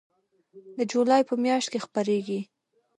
د جولای په میاشت کې خپریږي